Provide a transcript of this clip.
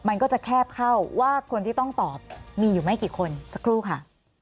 มันก็จะแคบเข้าว่าคนที่ต้องตอบมีอยู่ไม่กี่คนสักครู่ค่ะ